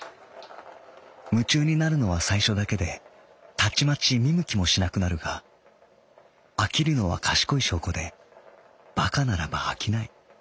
「夢中になるのは最初だけでたちまち見向きもしなくなるが飽きるのは賢い証拠でバカならば飽きない」。